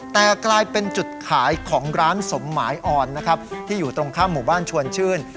แต่กลายเป็นจุดขายของร้านสมหมายอ่อนนะครับที่อยู่ตรงข้ามหมู่บ้านชวนชื่น